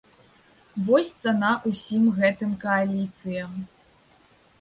Вось цана ўсім гэтым кааліцыям!